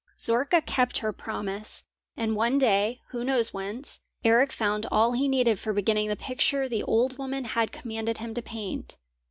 Zorka kept her promise; and one day, who knows whence, Eric found all he needed for beginning the picture the old woman had commanded him to paint.